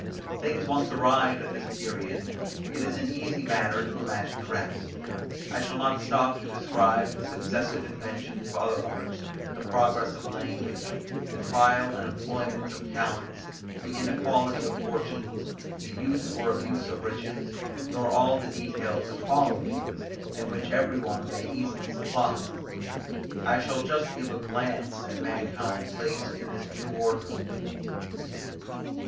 Things once arrived at this period, it is an easy matter to imagine the rest. I shall not stop to describe the successive inventions of other arts, the progress of language, the trial and employments of talents, the inequality of fortunes, the use or abuse of riches, nor all the details which follow these, and which every one may easily supply. I shall just give a glance at mankind placed in this new order of things.